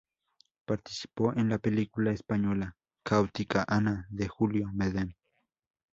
Participó en la película española "Caótica Ana" de Julio Medem.